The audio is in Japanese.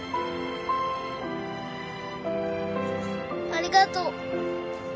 ありがとう。